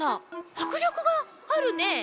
はくりょくがあるね。